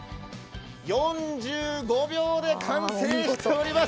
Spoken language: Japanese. ４５秒で完成しております！